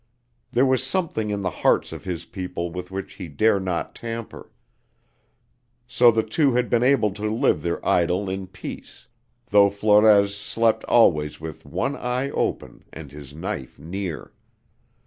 There was something in the hearts of his people with which he dare not tamper. So the two had been able to live their idyl in peace, though Flores slept always with one eye open and his knife near.